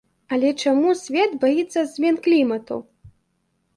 Але чаму свет баіцца змен клімату?